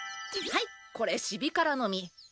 はいこれシビカラの実。